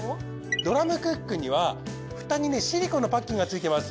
ドラムクックには蓋にねシリコンのパッキンがついてます。